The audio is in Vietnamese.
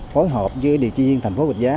phối hợp với điều trị viên thành phố vịnh giá